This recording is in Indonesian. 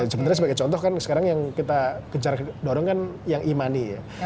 sebenarnya sebagai contoh kan sekarang yang kita kejar dorong kan yang e money ya